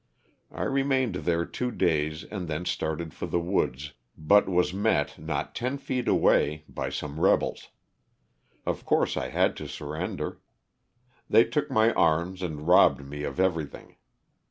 I remained there two days and then started for the woods, but was met, not ten feet LOSS OF THE SULTANA. away, by some rebels. Of course I had to surrender. They took my arms and robbed me of everything.